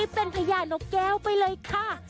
เป็นพญานกแก้วไปเลยค่ะ